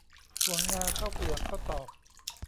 ถั่วงาข้าวเปลือกข้าวตอก